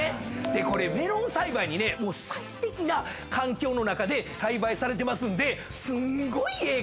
これメロン栽培にね最適な環境の中で栽培されてますんですんごいええ